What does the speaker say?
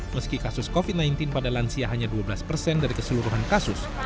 meski kasus covid sembilan belas pada lansia hanya dua belas persen dari keseluruhan kasus